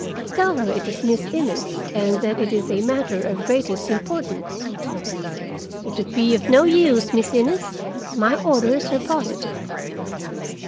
"Tell her it is Miss Innes, and that it is a matter of the greatest importance." "It would be of no use, Miss Innes. My orders are positive."